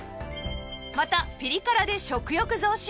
またピリ辛で食欲増進！